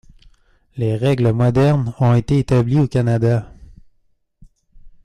Les règles modernes ont été établies au Canada.